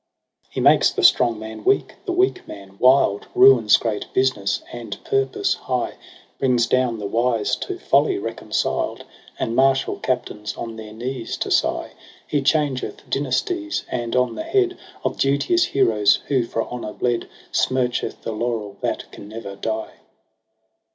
I? He makes the strong man weak, the weak man wild ■ Ruins great business and purpose high j Brings down the wise to folly reconciled. And inartial captains on their knees to sigh : He changeth dynasties, and on the head Of duteous heroes, who for honour bled, Smircheth.the laurel that can never die.